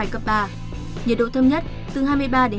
nhiệt độ thấp nhất từ hai mươi ba hai mươi sáu độ